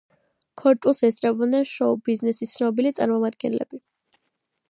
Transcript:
ქორწილს ესწრებოდნენ შოუ-ბიზნესის ცნობილი წარმომადგენლები.